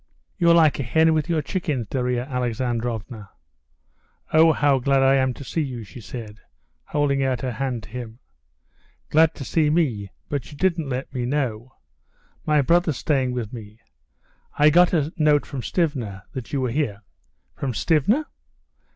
"You're like a hen with your chickens, Darya Alexandrovna." "Ah, how glad I am to see you!" she said, holding out her hand to him. "Glad to see me, but you didn't let me know. My brother's staying with me. I got a note from Stiva that you were here." "From Stiva?"